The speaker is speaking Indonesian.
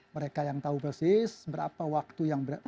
mereka yang tahu persis berapa waktu yang mereka bisa